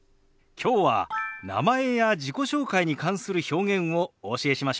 きょうは名前や自己紹介に関する表現をお教えしましょう。